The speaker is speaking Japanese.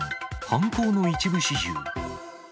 犯行の一部始終。